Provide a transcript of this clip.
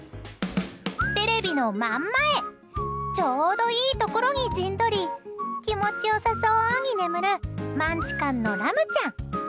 テレビの真ん前ちょうどいいところに陣取り気持ちよさそうに眠るマンチカンのラムちゃん。